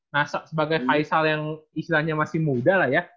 nah sebagai faisal yang istilahnya masih muda lah ya